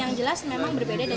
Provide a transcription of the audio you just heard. yang jelas memang berbeda